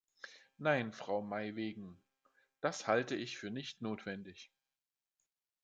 Nein, Frau Maij-Weggen, das halte ich nicht für notwendig.